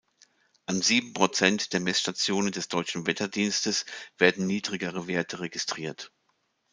An sieben Prozent der Messstationen des Deutschen Wetterdienstes werden niedrigere Werte registriert.